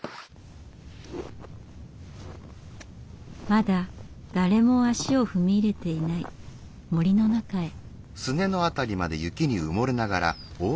まだ誰も足を踏み入れていない森の中へ。